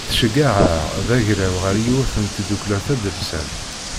Tceggeɛ-aɣ d agraw ɣer yiwet n tdukla tadelsant.